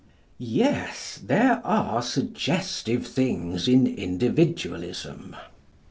Yes; there are suggestive things in Individualism.